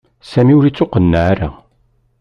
Sami ur ittuqqeneɛ ara.